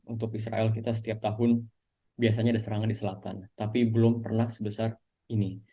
untuk israel kita setiap tahun biasanya ada serangan di selatan tapi belum pernah sebesar ini